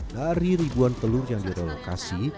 dari ribuan telur yang direlokasi